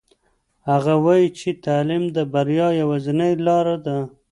هغه وایي چې تعلیم د بریا یوازینۍ لاره ده.